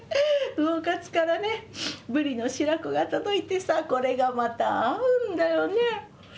魚かつからねブリの白子が届いてさ、これがまた合うんだよね。